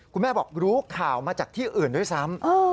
คุณแม่บอกรู้ข่าวมาจากที่อื่นด้วยซ้ำ